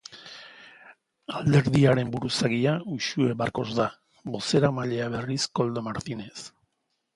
Alderdiaren buruzagia Uxue Barkos da, bozeramailea berriz Koldo Martinez.